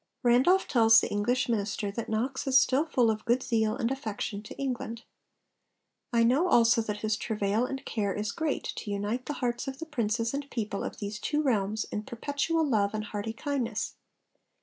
Randolph tells the English minister that Knox is still full of 'good zeal and affection' to England. 'I know also that his travail and care is great to unite the hearts of the princes and people of these two realms in perpetual love and hearty kindness.'